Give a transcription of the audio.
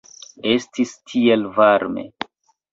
Estis tiel varme.